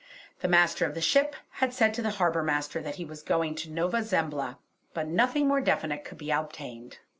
The Master of the ship had said to the Harbour Master that he was going to Nova Zembla; but nothing more definite could be obtained.